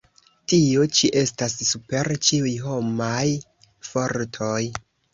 Tio ĉi estas super ĉiuj homaj fortoj!